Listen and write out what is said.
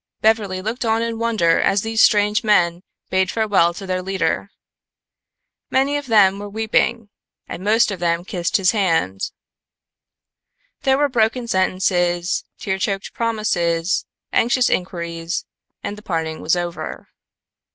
Beverly looked on in wonder as these strange men bade farewell to their leader. Many of them were weeping, and most of them kissed his hand. There were broken sentences, tear choked promises, anxious inquiries, and the parting was over.